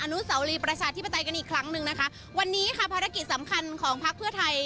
นุสาวรีประชาธิปไตยกันอีกครั้งหนึ่งนะคะวันนี้ค่ะภารกิจสำคัญของพักเพื่อไทย